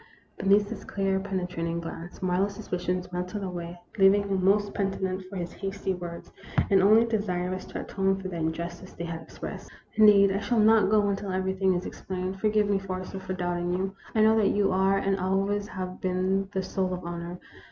Beneath his clear, penetrating glance, Marlowe's suspicions melted away, leaving him most penitent for his hasty words, and only desirous to atone for the injustice they had expressed, "Indeed, I shall not go until everything is ex plained. Forgive me, Forrester, for doubting you. I know that you are and always have been the soul of honor.